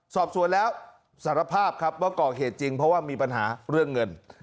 สอบสวนแล้วสารภาพครับว่าก่อเหตุจริงเพราะว่ามีปัญหาเรื่องเงิน